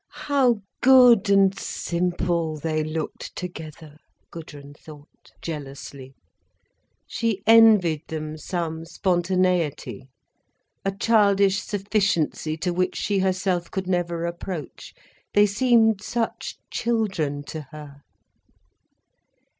"How good and simple they look together," Gudrun thought, jealously. She envied them some spontaneity, a childish sufficiency to which she herself could never approach. They seemed such children to her.